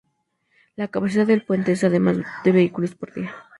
La capacidad del puente es de más de vehículos por día.